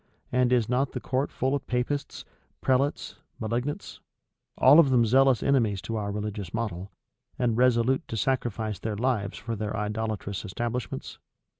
And is not the court full of Papists, prelates, malignants; all of them zealous enemies to our religious model, and resolute to sacrifice their lives for their idolatrous establishments?